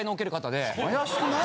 ・怪しくない？